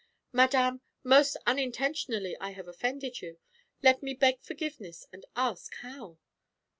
"Madame, most unintentionally I have offended you. Let me beg forgiveness and ask how."